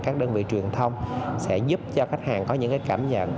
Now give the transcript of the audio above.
các đơn vị truyền thông sẽ giúp cho khách hàng có những cảm nhận